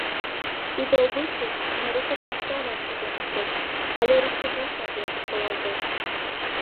Тиде обычай марий коклаште алят пытен огыл, але руш коклаштат ятыр колалтеш.